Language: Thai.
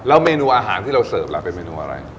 เมนูอาหารที่เราเสิร์ฟล่ะเป็นเมนูอะไร